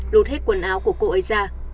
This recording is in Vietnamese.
lột hết quần áo của cô ấy ra